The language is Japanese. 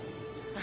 あ！